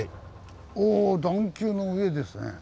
お段丘の上ですね。